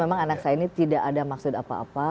memang anak saya ini tidak ada maksud apa apa